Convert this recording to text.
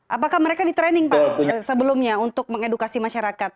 apakah mereka di training pak sebelumnya untuk mengedukasi masyarakat